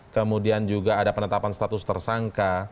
kemudian juga ada penetapan status tersangka